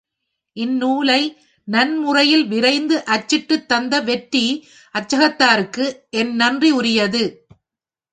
இந்நூலை நன்முறையில் விரைந்து அச்சிட்டுத் தந்த வெற்றி அச்சகத்தாருக்கு என் நன்றி உரியது.